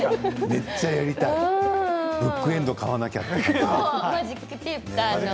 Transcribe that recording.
めっちゃやりたいブックエンド買わなくちゃという感じ。